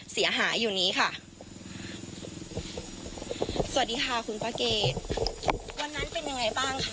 เสียหายอยู่นี้ค่ะสวัสดีค่ะคุณพระเกตวันนั้นเป็นยังไงบ้างค่ะ